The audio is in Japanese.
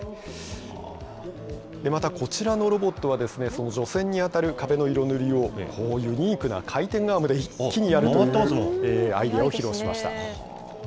また、こちらのロボットは、その除染に当たる壁の色塗りをユニークな回転アームで一気にやるというアイデアを披露しました。